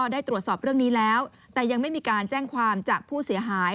ได้ตรวจสอบเรื่องนี้แล้วแต่ยังไม่มีการแจ้งความจากผู้เสียหาย